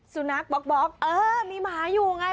สุนัขบ๊อกเออมีหมาอยู่ไง